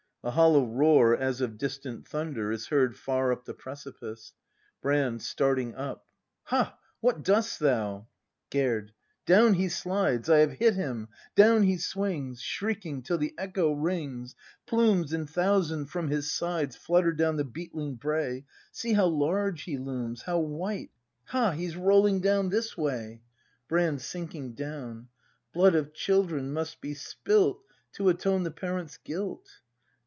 A hol low roar, as of distant thunder, is heard far up the precipice. Brand. [Starting up.] Ha, what dost thou ? Gerd. Down he slides! I have hit him; — down he swings, — Shrieking, till the echo rings; Plumes in thousand from his sides Flutter down the beetling brae; — See how large he looms, how white —! Ha, he's rolling down this way! ACT V] BRAND 305 Brand. [Sinking down.] Blood of children must be spilt To atone the parent's guilt!